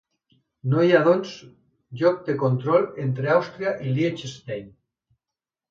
No hi ha doncs llocs de control entre Àustria i Liechtenstein.